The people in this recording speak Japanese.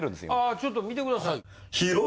あちょっと見てください。